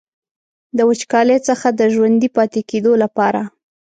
د وچکالۍ څخه د ژوندي پاتې کیدو لپاره.